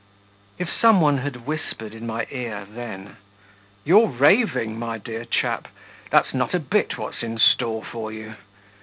If some one had whispered in my ear then: 'You're raving, my dear chap! that's not a bit what's in store for you.